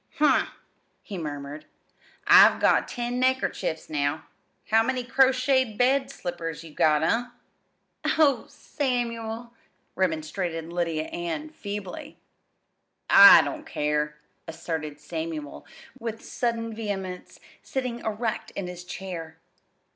"Hm!" he murmured. "I've got ten neckerchiefs now. How many crocheted bed slippers you got? eh?" "Oh, Samuel!" remonstrated Lydia Ann feebly. "I don't care," asserted Samuel with sudden vehemence, sitting erect in his chair.